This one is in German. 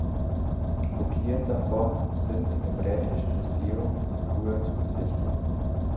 Kopien davon sind im Rätischen Museum in Chur zu besichtigen.